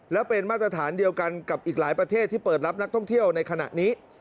และเป็นมาตรฐานเดียวกันกับอีกหลายประเทศที่เปิดรับนักท่องเที่ยวในขณะนี้